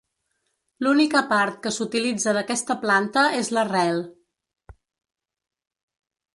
L'única part que s'utilitza d'aquesta planta és l'arrel.